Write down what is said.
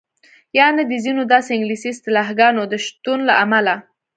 یعنې د ځینو داسې انګلیسي اصطلاحګانو د شتون له امله.